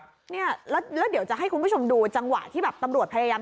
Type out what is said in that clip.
ขนขึ้นเลยอ่ะเห็นมั้ย